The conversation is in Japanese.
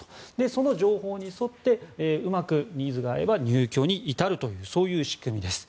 その情報に沿ってうまくニーズが合えば入居に至るというそういう仕組みです。